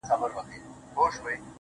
له هنداري څه بېــخاره دى لوېـــدلى,